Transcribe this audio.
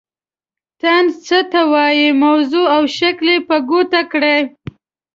طنز څه ته وايي موضوع او شکل یې په ګوته کړئ.